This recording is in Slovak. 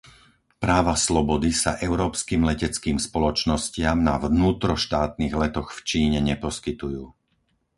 Práva slobody sa európskym leteckým spoločnostiam na vnútroštátnych letoch v Číne neposkytujú.